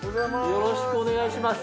よろしくお願いします。